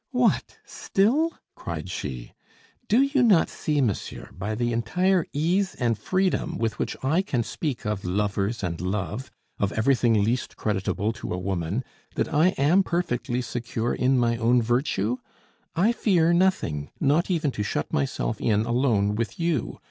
"What! still?" cried she. "Do you not see, monsieur, by the entire ease and freedom with which I can speak of lovers and love, of everything least creditable to a woman, that I am perfectly secure in my own virtue? I fear nothing not even to shut myself in alone with you.